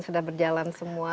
sudah berjalan semua